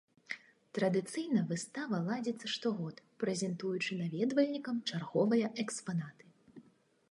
Традыцыйна выстава ладзіцца штогод, прэзентуючы наведвальнікам чарговыя экспанаты.